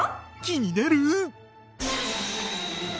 気になる！